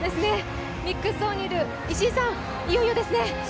ミックスゾーンにいる石井さん、いよいよですね。